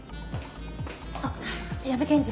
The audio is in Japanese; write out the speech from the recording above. あっ矢部検事。